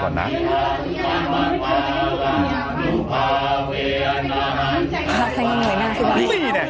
พระท่านยังเหนื่อยมากสินะ